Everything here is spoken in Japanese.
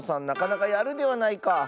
なかなかやるではないか。